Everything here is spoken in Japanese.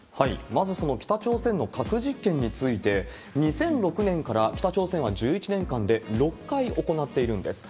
まずその北朝鮮の核実験について、２００６年から、北朝鮮は１１年間で６回行っているんです。